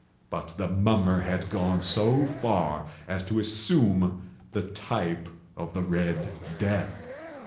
But the mummer had gone so far as to assume the type of the Red Death.